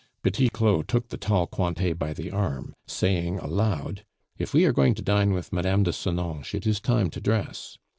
Petit Claud took the tall Cointet by the arm, saying aloud, "If we are going to dine with Mme. de Senonches, it is time to dress."